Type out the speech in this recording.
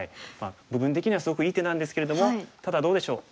部分的にはすごくいい手なんですけれどもただどうでしょう